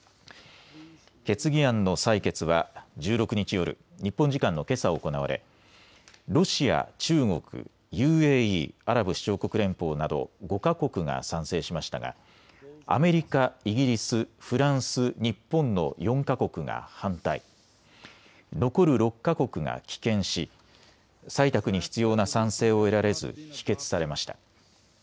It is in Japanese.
決議案の採決は１６日夜、日本時間のけさ行われロシア、中国、ＵＡＥ・アラブ首長国連邦など５か国が賛成しましたがアメリカ、イギリス、フランス、日本の４か国が反対、残る６か国が棄権し、採択に必要な賛成を得られず否決されました。